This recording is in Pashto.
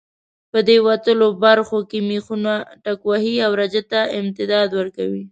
په دې وتلو برخو کې مېخونه ټکوهي او رجه ته امتداد ورکوي.